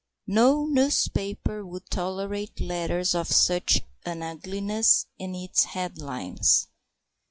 No newspaper would tolerate letters of such an ugliness in its headlines.